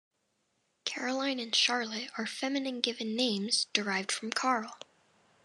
Caroline and Charlotte are feminine given names derived from "Carl".